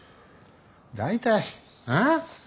大体ああ？